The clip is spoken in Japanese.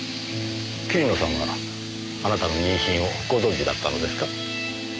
桐野さんはあなたの妊娠をご存じだったのですか？